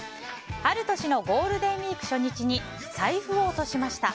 ある年のゴールデンウィーク初日に財布を落としました。